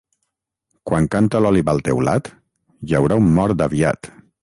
Quan canta l'òliba al teulat, hi haurà un mort aviat.